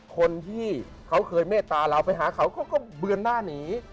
คนที่เขาเคยเมตตาเราไปหาเขาเขาก็เบือนหน้าหนี